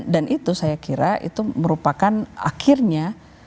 dan itu saya kira itu merupakan akhirnya